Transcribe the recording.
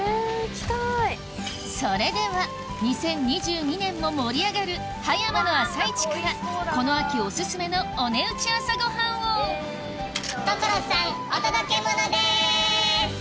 それでは２０２２年も盛り上がる葉山の朝市からこの秋お薦めのお値打ち朝ごはんを所さんお届けモノです！